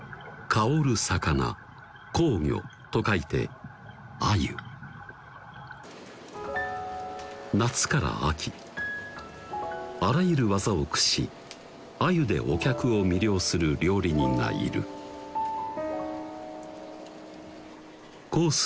香る魚香魚と書いて鮎夏から秋あらゆる技を駆使し鮎でお客を魅了する料理人がいるコース